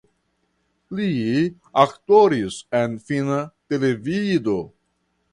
Li aktoris en finna televido.